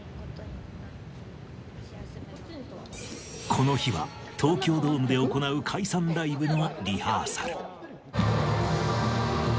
この日は東京ドームで行う解散ライブのリハーサル